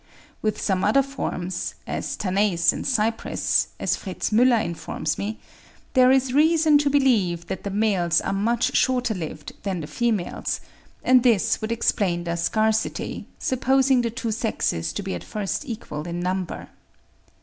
With some other forms (as Tanais and Cypris), as Fritz Müller informs me, there is reason to believe that the males are much shorter lived than the females; and this would explain their scarcity, supposing the two sexes to be at first equal in number.